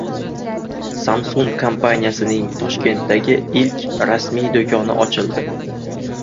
Samsung kompaniyasining Toshkentdagi ilk rasmiy do‘koni ochildi